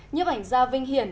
như ảnh gia vinh hiển